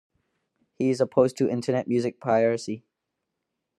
He is opposed to Internet music piracy.